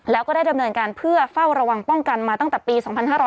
แล้วก็ได้ดำเนินการเพื่อเฝ้าระวังป้องกันมาตั้งแต่ปี๒๕๕๙